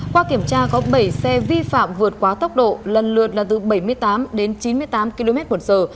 qua kiểm tra có bảy xe vi phạm vượt quá tốc độ lần lượt là từ bảy mươi tám đến chín mươi tám km một giờ